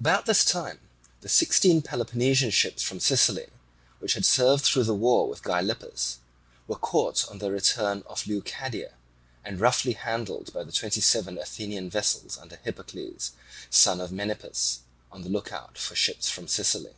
About this time the sixteen Peloponnesian ships from Sicily, which had served through the war with Gylippus, were caught on their return off Leucadia and roughly handled by the twenty seven Athenian vessels under Hippocles, son of Menippus, on the lookout for the ships from Sicily.